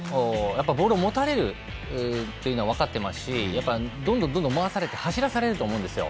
ボールを持たれるというのは分かってますしやっぱりどんどん回されて走らされると思うんですよ。